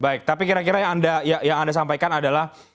baik tapi kira kira yang anda sampaikan adalah